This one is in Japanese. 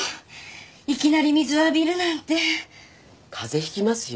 いきなり水を浴びるなんてカゼ引きますよ